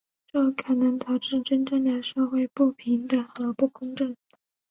这可能导致真正的社会不平等和不公正。